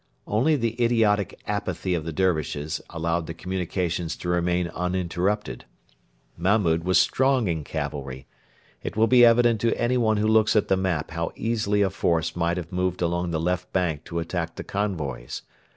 Only the idiotic apathy of the Dervishes allowed the communications to remain uninterrupted. Mahmud was strong in cavalry. It will be evident to anyone who looks at the map how easily a force might have moved along the left bank to attack the convoys.